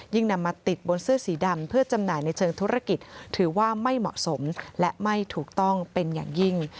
นำมาติดบนเสื้อสีดำเพื่อจำหน่ายในเชิงธุรกิจถือว่าไม่เหมาะสมและไม่ถูกต้องเป็นอย่างยิ่ง